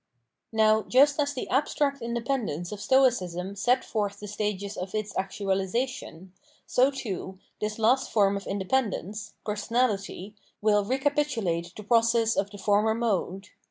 Now just as the abstract independence of Stoicism set forth the stages of its actuahsation, so, too, this last form of independence [Personality] wiU recapitulate the pro cess of the former mode.